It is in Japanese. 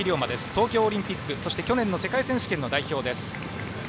東京オリンピック、そして去年の世界選手権代表。